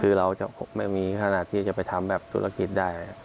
คือเราจะไม่มีขนาดที่จะไปทำแบบธุรกิจได้